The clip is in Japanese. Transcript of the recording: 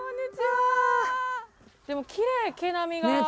でもきれい毛並みが。ね。